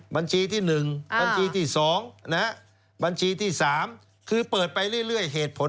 บัญชีที่๑บัญชีที่๒บัญชีที่๓คือเปิดไปเรื่อยเหตุผล